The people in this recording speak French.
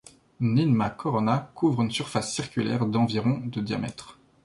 Ninmah Corona couvre une surface circulaire d'environ de diamètre.